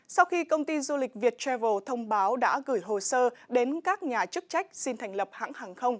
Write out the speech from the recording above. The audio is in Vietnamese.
sau khi công ty du lịch viettravel thông báo đã gửi hồ sơ đến các nhà chức trách xin thành lập hãng hàng không